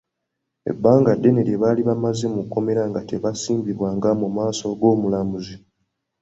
Ebbanga ddene lye baali bamaze mu kkomera nga tebasimbibwanga mu maaso g’omulamuzi.